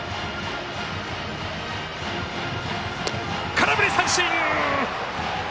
空振り三振！